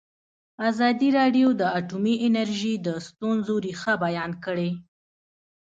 ازادي راډیو د اټومي انرژي د ستونزو رېښه بیان کړې.